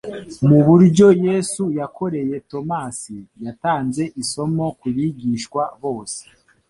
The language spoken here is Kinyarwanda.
Mu buryo Yesu yakoreye Tomasi, yatanze isomo ku bigishwa bose.